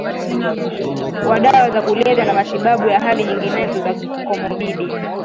wa dawa za kulevya na matibabu ya hali nyinginezo za komobidi